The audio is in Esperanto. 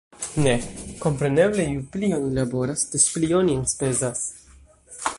Ne. Kompreneble, ju pli oni laboras, des pli oni enspezas